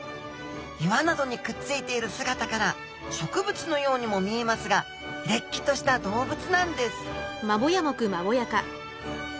岩などにくっついている姿から植物のようにも見えますがれっきとした動物なんです